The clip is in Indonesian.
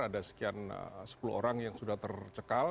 ada sekian sepuluh orang yang sudah tercekal